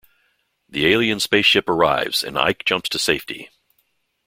The alien spaceship arrives and Ike jumps to safety.